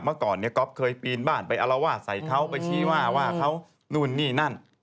เมื่อก่อนเนี่ยก๊อฟเคยปีนบ้านไปอารวาสใส่เขาไปชี้ว่าว่าเขานู่นนี่นั่น